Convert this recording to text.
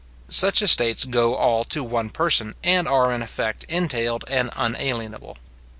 Such estates go all to one person, and are in effect entailed and unalienable.